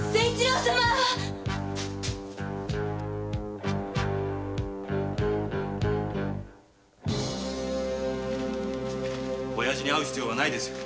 オヤジに会う必要はないですよ。